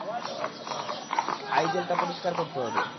I জেলটা পরিষ্কার করতে হবে।